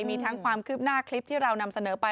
มีทั้งความคืบหน้าคลิปที่เรานำเสนอไป